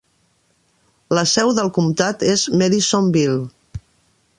La seu del comtat és Madisonville.